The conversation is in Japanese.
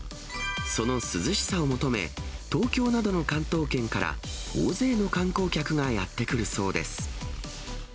その涼しさを求め、東京などの関東圏から、大勢の観光客がやって来るそうです。